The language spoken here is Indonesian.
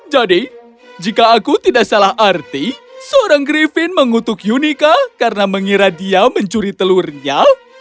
jadi jika aku tidak salah arti seorang griffin mengutuk unika karena mengira dia mencuri telurnya